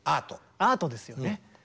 アートですよね。